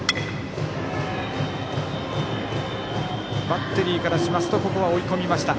バッテリーからしますとここは追い込みました。